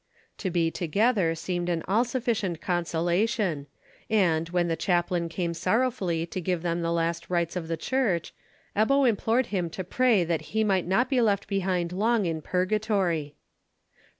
To be together seemed an all sufficient consolation, and, when the chaplain came sorrowfully to give them the last rites of the Church, Ebbo implored him to pray that he might not be left behind long in purgatory.